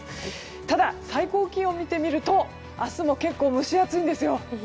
ただ、最高気温を見てみると明日も結構蒸し暑いんです。